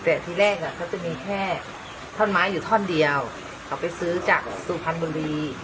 แต่ที่แรกเขาจะมีแค่ท่อนไม้อยู่ท่อนเดียวเขาไปซื้อจากสุพรรณบุรี